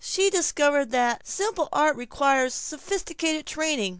She discovered that simple arts require sophisticated training.